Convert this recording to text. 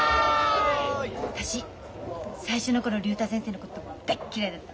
私最初の頃竜太先生のこと大嫌いだった。